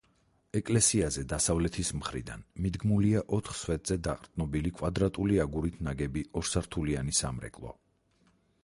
ეკლესიაზე დასავლეთის მხრიდან მიდგმულია ოთხ სვეტზე დაყრდნობილი კვადრატული აგურით ნაგები ორსართულიანი სამრეკლო.